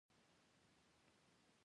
تعلیم نجونو ته د سترګو د ساتنې لارې ښيي.